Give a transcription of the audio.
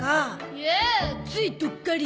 いやあついどっかり。